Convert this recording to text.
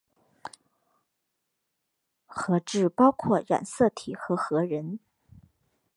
核质包括染色体和核仁。